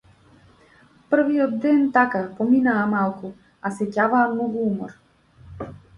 Првиот ден, така, поминаа малку, а сеќаваа многу умор.